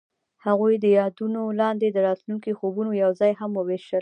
هغوی د یادونه لاندې د راتلونکي خوبونه یوځای هم وویشل.